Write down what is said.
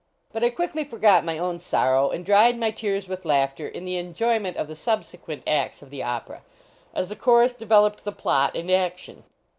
But I quickly forgot my own sorrow and dried my tears with laughter in the enjoy ment of the subsequent acts of the opera, as the chorus developed the plot and action.